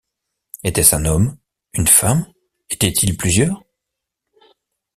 Était-ce un homme? une femme ? étaient-ils plusieurs ?